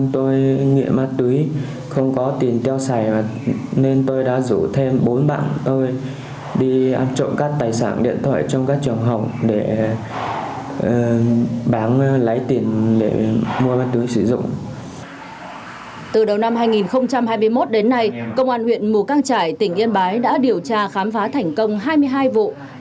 từ đầu năm hai nghìn hai mươi một đến nay công an huyện mù cang trải tỉnh yên bái đã điều tra khám phá thành công hai mươi hai vụ